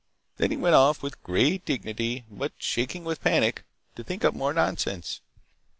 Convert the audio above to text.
Then he went off with great dignity—but shaking with panic—to think up more nonsense."